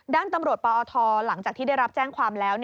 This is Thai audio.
ด้านตำรวจปอทหลังจากที่ได้รับแจ้งความแล้ว